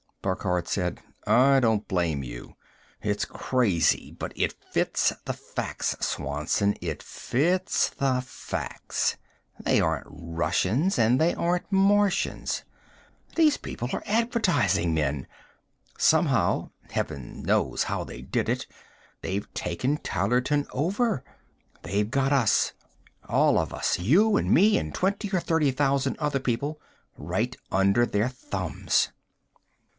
Burckhardt said, "I don't blame you. It's crazy, but it fits the facts, Swanson, it fits the facts. They aren't Russians and they aren't Martians. These people are advertising men! Somehow heaven knows how they did it they've taken Tylerton over. They've got us, all of us, you and me and twenty or thirty thousand other people, right under their thumbs.